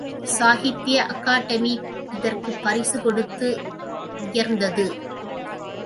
சாகித்திய academy, இதற்குப் பரிசைக் கொடுத்து உயர்ந்தது!